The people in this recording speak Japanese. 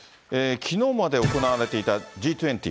きのうまで行われていたＧ２０。